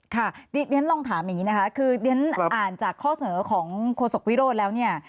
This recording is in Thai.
ค่ะเรียนลองถามอย่างนี้นะคะคือเรียนอ่านจากข้อเสนอของโฆษกวิโรธแล้วเนี่ย